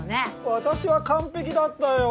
私は完璧だったよ。